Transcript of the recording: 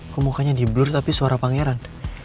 kok mukanya di blur tapi suara pangeran